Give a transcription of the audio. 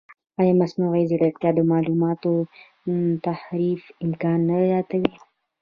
ایا مصنوعي ځیرکتیا د معلوماتو تحریف امکان نه زیاتوي؟